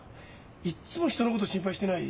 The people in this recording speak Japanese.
いっつも人のこと心配してない？